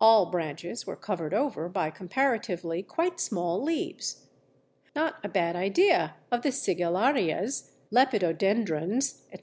All branches were covered over by comparatively quite small leaves. Not a bad idea of the Sigillarias, Lepidodendrons, etc.